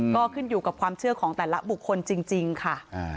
ก็ขึ้นอยู่กับความเชื่อของแต่ละบุคคลจริงค่ะ